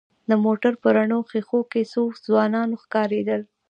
د موټر په رڼو ښېښو کې څو ځوانان ښکارېدل.